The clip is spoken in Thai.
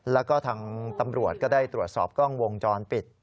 แล้วก็ทางตำรวจก็ได้ตรวจสอบกล้องวงจรปิด